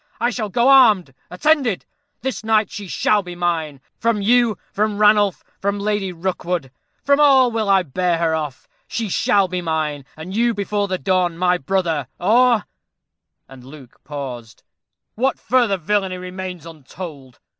I shall go armed attended. This night she shall be mine. From you from Ranulph from Lady Rookwood, from all will I bear her off. She shall be mine, and you, before the dawn, my brother, or " And Luke paused. "What further villainy remains untold?"